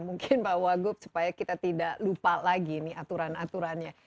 mungkin pak wagup supaya kita tidak lupa lagi ini aturan aturannya